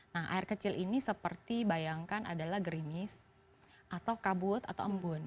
nah air kecil ini seperti bayangkan adalah gerimis atau kabut atau embun